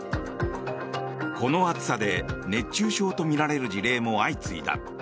この暑さで熱中症とみられる事例も相次いだ。